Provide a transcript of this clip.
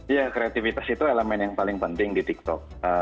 ya kreativitas itu elemen yang paling penting di tiktok